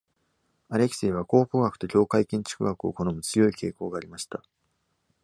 アレクセイは、考古学と教会建築学を好む強い傾向がありました。